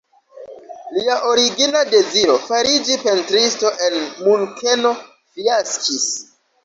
Lia origina deziro, fariĝi pentristo en Munkeno, fiaskis.